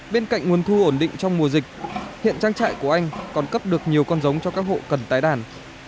bên cạnh nguồn thu ổn định trong mùa dịch hiện trang trại của anh còn cấp được nhiều con giống cho các hộ cần tái đàn